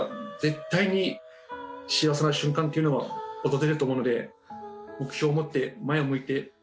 絶対に幸せな瞬間っていうのは訪れると思うので目標を持って前を向いて頑張っていってください